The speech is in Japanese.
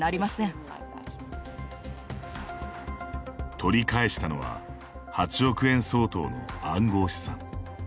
取り返したのは８億円相当の暗号資産。